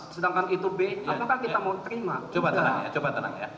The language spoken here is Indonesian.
sedangkan itu b apakah kita mau terima